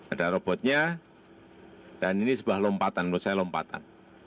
ada robotnya dan ini sebuah lompatan menurut saya lompatan